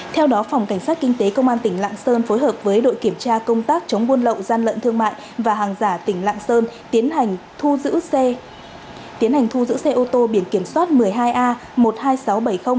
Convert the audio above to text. theo đó phòng cảnh sát kinh tế công an tỉnh lạng sơn phối hợp với đội kiểm tra công tác chống buôn lậu gian lận thương mại và hàng giả tỉnh lạng sơn tiến hành thu giữ xe tiến hành thu giữ xe ô tô biển kiểm soát một mươi hai a một mươi hai nghìn sáu trăm bảy mươi